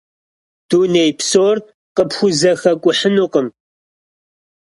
Дуней псор къыпхузэхэкӀухьынукъым.